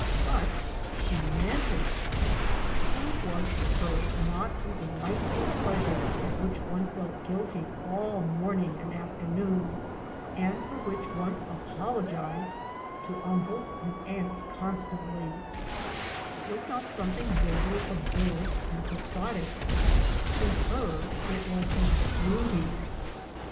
But — she meant it I School was to her not a delightful pleasure at which one felt guilty all morning and after noon, and for which one apologised to uncles and aunts constantly; it was not something vaguely absurd and quixotic To her it was a duty.